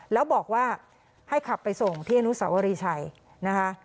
แล้วบอกว่าให้ขับไปส่งที่อนุสาวรีชัยนะคะ